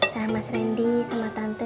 sama mas randy sama tante